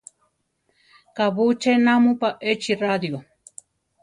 ¿Kabú ché namúpa échi radio?